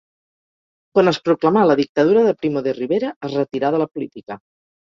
Quan es proclamà la Dictadura de Primo de Rivera es retirà de la política.